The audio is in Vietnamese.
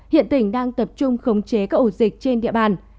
hiện tỉnh đang tập trung khống chế các ổ dịch trên địa bàn